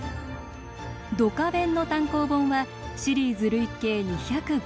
「ドカベン」の単行本はシリーズ累計２０５巻。